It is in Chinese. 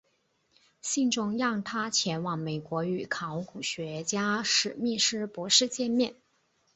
信中让他前往美国与考古学家史密斯博士见面。